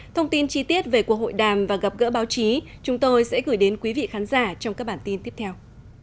thông tin chi tiết về cuộc hội đàm và gặp gỡ báo chí chúng tôi sẽ gửi đến quý vị khán giả trong các bản tin tiếp theo